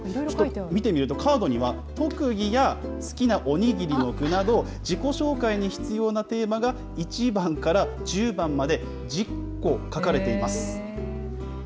見てみるとカードには特技や好きなお握りの具など、自己紹介に必要なテーマが１番から１０番まで１０個書かれています。